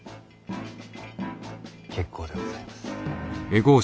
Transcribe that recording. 結構でございます。